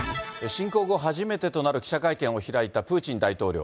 侵攻後初めてとなる記者会見を開いたプーチン大統領。